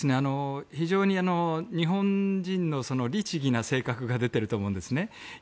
非常に日本人の律義な性格が出てると思うんです。